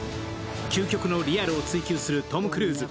究極のリアルを追求するトム・クルーズ。